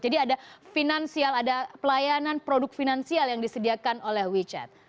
jadi ada pelayanan produk finansial yang disediakan oleh wechat